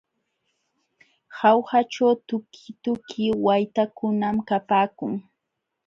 Jaujaćhu tukituki waytakunam kapaakun.